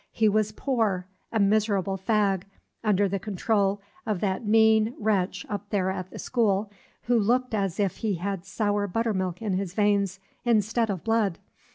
He was poor, a miserable fag, under the control of that mean wretch up there at the school, who looked as if he had sour buttermilk in his veins instead of blood.